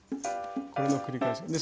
これの繰り返し。